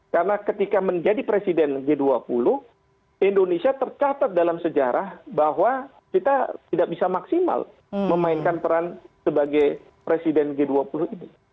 karena ketika menjadi presiden g dua puluh indonesia tercatat dalam sejarah bahwa kita tidak bisa maksimal memainkan peran sebagai presiden g dua puluh ini